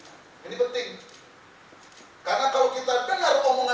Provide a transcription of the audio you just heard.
supaya penyadapan dan lain sebagainya itu kita kasih kepada ketiga tiganya